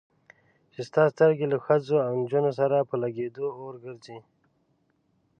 چې ستا سترګې له ښځو او نجونو سره په لګېدو اور ګرځي.